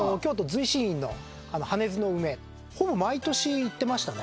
ほぼ毎年行ってましたね。